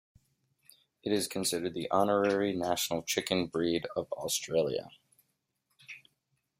It is considered the honorary National Chicken Breed of Australia.